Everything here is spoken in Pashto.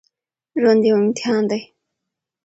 ژوند يو امتحان دی